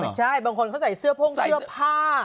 ใช่บางคนเขาใส่เสื้อโพ่งเสื้อผ้า